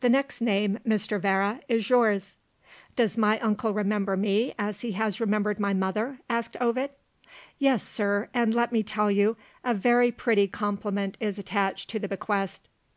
"The next name, Mr. Vere, is yours." "Does my uncle remember me as he has remembered my mother?" asked Ovid. "Yes, sir and let me tell you, a very pretty compliment is attached to the bequest.